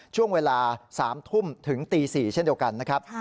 ช่วงเวลา๓ทุ่มถึงตี๔เช่นเดียวกันนะครับ